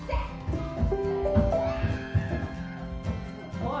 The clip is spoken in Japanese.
おい！